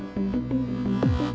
terima kasih pak alex